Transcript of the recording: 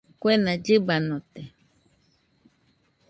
Kuena llibanote.